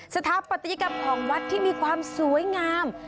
สถาปัตยกรรมของวัดที่มีความสวยงาม